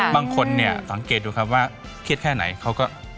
บางคนนี่สังเกตดูดูว่าเครียดแค่ไหนเค้าก็